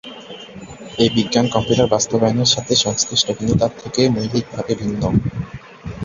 এই বিজ্ঞান কম্পিউটার বাস্তবায়নের সাথে সংশ্লিষ্ট কিন্তু তার থেকে মৌলিকভাবে ভিন্ন।